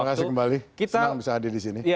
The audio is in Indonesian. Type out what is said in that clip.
terima kasih kembali senang bisa hadir di sini